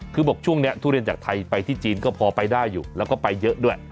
คือบอกช่วงนี้ทุเรียนจากไทยไปที่จีนก็พอไปได้อยู่แล้วก็ไปเยอะด้วย